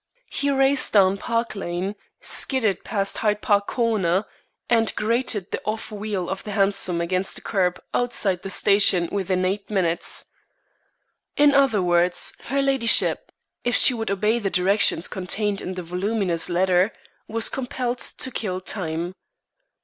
He raced down Park Lane, skidded past Hyde Park Corner, and grated the off wheel of the hansom against the kerb outside the station within eight minutes. In other words, her ladyship, if she would obey the directions contained in the voluminous letter, was compelled to kill time.